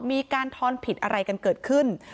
มีการทอนผิดอะไรกันเกิดขึ้น